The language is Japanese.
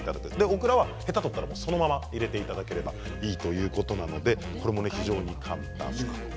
オクラはヘタを取ったらそのまま入れていただければいいということなのでこれも非常に簡単。